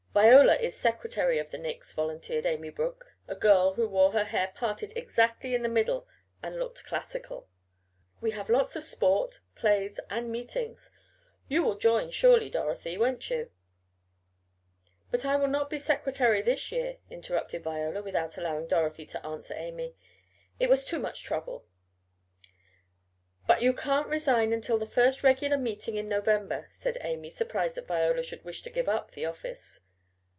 "Viola is secretary of the Nicks," volunteered Amy Brook, a girl who wore her hair parted exactly in the middle and looked classical. "We have lots of sport; plays and meetings. You will join, surely, Dorothy, won't you?" "But I will not be secretary this year," interrupted Viola, without allowing Dorothy to answer Amy. "It's too much trouble." "But you can't resign until the first regular meeting in November," said Amy, surprised that Viola should wish to give up the office.